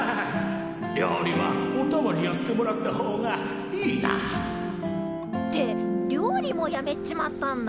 料理はおたまにやってもらった方がいいな。って料理もやめっちまったんだ。